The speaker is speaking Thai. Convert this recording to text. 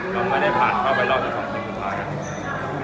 เราไม่ได้ผ่านเข้าไปรอบอย่างสำคัญสุดท้ายนะครับ